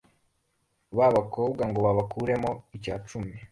b’abakobwa ngo babakuremo “icyacumi”